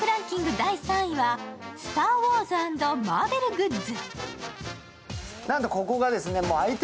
第３位はスター・ウォーズ＆ＭＡＲＶＥＬグッズ。